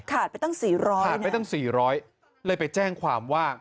ขาดไปตั้งสี่ร้อยขาดไปตั้งสี่ร้อยเลยไปแจ้งความว่า